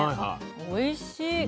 あおいしい。